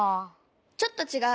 ちょっとちがう。